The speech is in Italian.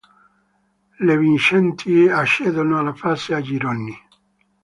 Le vincenti accedono alla fase a gironi.